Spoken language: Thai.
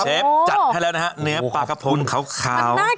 ฟจัดให้แล้วนะฮะเนื้อปลากระพงขาว